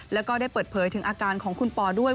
แล้วก็ได้เปิดเผยถึงอาการของคุณปอด้วย